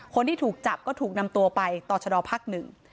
คนที่ถูกจับก็ถูกนำตัวไปต่อชะดอภักดิ์หนึ่ง